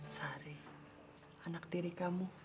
sari anak diri kamu